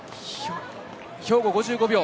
兵庫、５５秒。